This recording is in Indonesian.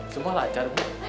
semua lancar bu